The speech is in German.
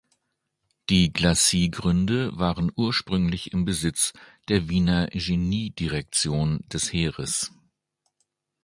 Die Glacis-Gründe waren ursprünglich im Besitz der "Wiener Genie-Direktion" des Heeres.